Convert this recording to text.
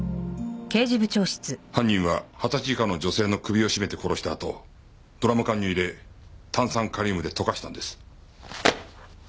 犯人は二十歳以下の女性の首を絞めて殺したあとドラム缶に入れ炭酸カリウムで溶かしたんです。